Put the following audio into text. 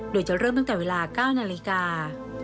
โดยจะเริ่มตั้งแต่เวลา๙นาฬิกา